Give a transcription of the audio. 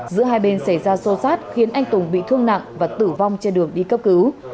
giữa hai bên xảy ra xô xát khiến anh tùng bị thương nặng và tử vong trên đường đi cấp cứu